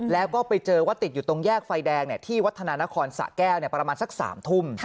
แล้วก็ไปเจอว่าติดอยู่ตรงแยกไฟแดงที่วัฒนานครสะแก้วประมาณสัก๓ทุ่ม